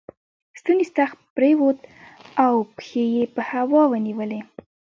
ستونی ستغ پر ووت او پښې یې په هوا ونیولې.